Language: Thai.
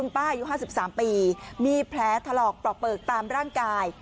ป้าอายุ๕๓ปีมีแผลถลอกปลอกเปลือกตามร่างกาย